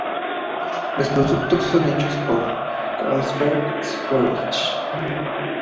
Los productos son hechos por Carlsberg Sverige.